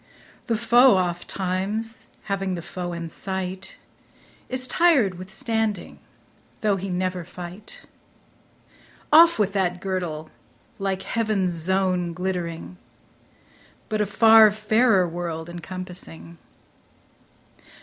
The foe ofttimes, having the foe in sight, Is tired with standing, though he never fight. Off with that girdle, like heaven's zone glittering, But a far fairer world encompassing.